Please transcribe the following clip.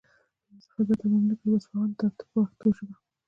یو صفت به تمام نه کړي واصفان ستا په پښتو ژبه.